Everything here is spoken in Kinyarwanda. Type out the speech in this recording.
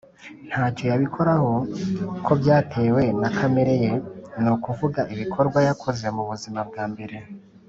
nta cyo yabikoraho ko byatewe na kamere ye, ni ukuvuga ibikorwa yakoze mu buzima bwa mbere.